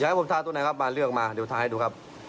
ให้ผมทาตัวไหนครับมาเลือกมาเดี๋ยวท้ายดูครับ